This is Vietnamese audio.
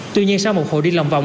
tuy nhiên sau một hồi đi lòng vòng